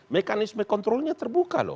mekanisme kontrolnya terbuka loh